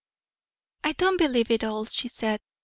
"I don't believe it at all," she said.